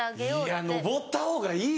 いや上ったほうがいいよ。